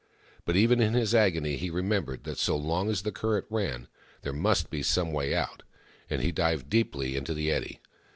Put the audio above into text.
But even in his agony he remembered that so long as the current ran there must be some way out ; and he dived deeply into the eddy.